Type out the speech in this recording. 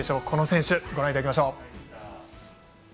この選手、ご覧いただきましょう。